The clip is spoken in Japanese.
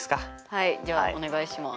はいではお願いします。